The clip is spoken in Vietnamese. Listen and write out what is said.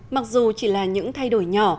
mặc dù chỉ là những thay đổi nhỏ